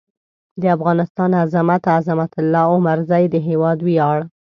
د افغانستان عظمت؛ عظمت الله عمرزی د هېواد وېاړ